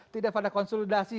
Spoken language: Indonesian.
tidak pada konsolidasi